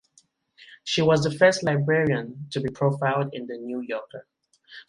She was the first librarian to be profiled in the "New Yorker".